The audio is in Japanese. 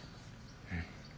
うん。